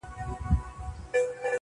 هر څه ته د غم سترګو ګوري او فکر کوي-